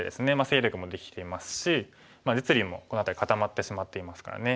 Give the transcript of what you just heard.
勢力もできていますし実利もこの辺り固まってしまっていますからね。